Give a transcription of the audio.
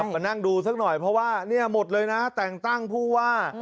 มานั่งดูสักหน่อยเพราะว่าเนี่ยหมดเลยนะแต่งตั้งผู้ว่า